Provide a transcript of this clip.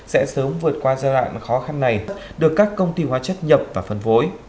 sẽ sớm vượt qua giai đoạn khó khăn này được các công ty hóa chất nhập và phân phối